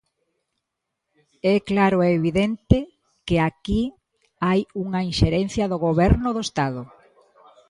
É claro e evidente que aquí hai unha inxerencia do Goberno do Estado.